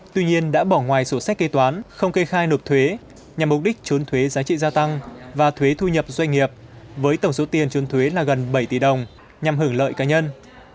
tuy nhiên đã bỏ ngoài sổ sách kế toán không kê khai nộp thuế nhằm mục đích trốn thuế giá trị gia tăng và thuế thu nhập doanh nghiệp với tổng số tiền trốn thuế là gần bảy tỷ đồng nhằm hưởng lợi cá nhân